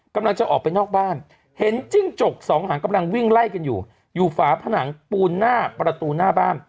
กำลังจะออกไปนอกบ้านเห็นจิ้งจกสองหางกำลังวิ่งไล่กันอยู่อยู่ฝาผนังปูนหน้าประตูหน้าบ้าน